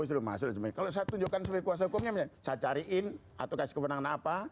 kalau saya tunjukkan seperti kuasa hukumnya saya cariin atau kasih kebenaran apa